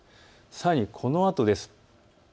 さらにこのあとです。